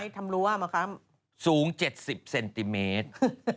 ทำรั้วมสูง๗๐เซนติเมตร